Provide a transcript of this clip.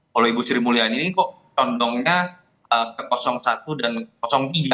kalau ibu sri mulyani ini kok condongnya ke satu dan tiga